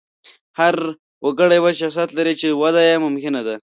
هر وګړی بېل شخصیت لري، چې وده یې ممکنه ده.